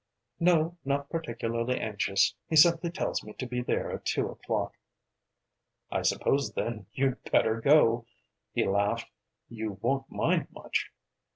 "No, not particularly anxious; he simply tells me to be there at two o'clock." "I suppose then you'd better go," he laughed. "You won't mind much.